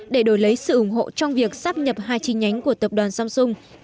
để đổi lấy sự ủng hộ trong việc sắp nhập hai chi nhánh của tập đoàn samsung